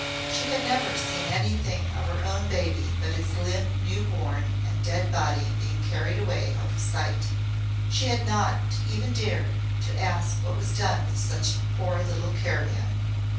She had never seen anything of her own baby but its limp newborn and dead body being carried away out of sight. She had not even dared to ask what was done with such poor little carrion.